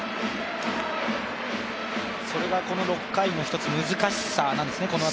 それがこの６回の一つ難しさなんですね。